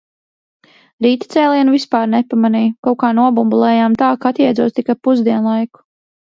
Rīta cēlienu vispār nepamanīju, kaut kā nobumbulējām tā, ka atjēdzos tik ap pusdienslaiku.